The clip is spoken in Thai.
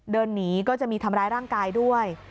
เดินหนีก็จะมีทำร้ายร่างกายด้วย